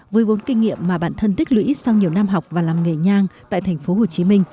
với vốn kinh nghiệm mà bản thân tích lũy sau nhiều năm học và làm nghề nhang tại tp hcm